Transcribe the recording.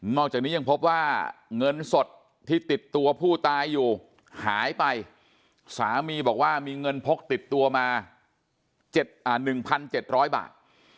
จากนี้ยังพบว่าเงินสดที่ติดตัวผู้ตายอยู่หายไปสามีบอกว่ามีเงินพกติดตัวมา๑๗๐๐บาท